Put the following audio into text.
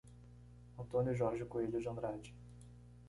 Antônio Jorge Coelho de Andrade